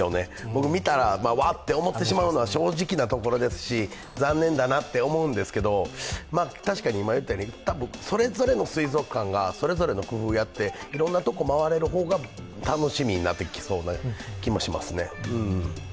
僕、見たら、わっ！と思ってしまうのは正直なところですし残念だなと思うんですけどそれぞれの水族館がそれぞれの工夫をやっていろいろなところを回れるほうが楽しみになってきそうな気もしますね。